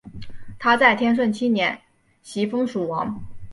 他在天顺七年袭封蜀王。